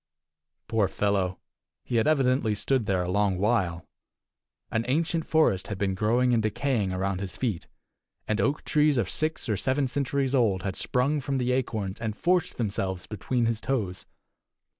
Poor fellow! He had evidently stood there a long while. An ancient forest had been growing and decaying around his feet, and oak trees of six or seven centuries old had sprung from the acorns, and forced themselves between his toes.